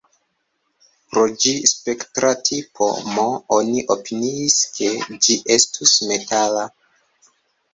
Pro ĝi spektra tipo M, oni opiniis, ke ĝi estus metala.